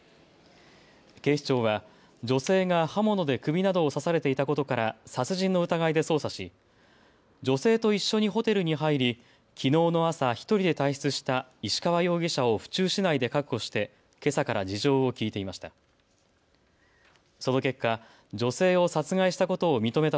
警視庁は女性が刃物で首などを刺されていたことから殺人の疑いで捜査し女性と一緒にホテルに入りきのうの朝１人で退出した石川容疑者を府中市内で確保してけさから事情を聴いていました。